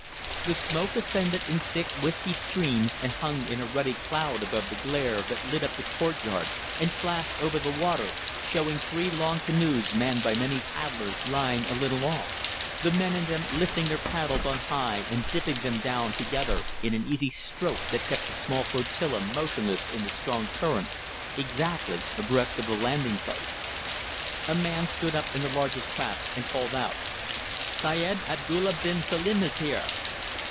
The smoke ascended in thick, wispy streams, and hung in a ruddy cloud above the glare that lit up the courtyard and flashed over the water, showing three long canoes manned by many paddlers lying a little off; the men in them lifting their paddles on high and dipping them down together, in an easy stroke that kept the small flotilla motionless in the strong current, exactly abreast of the landing place. A man stood up in the largest craft and called out "Syed Abdulla bin Selim is here!"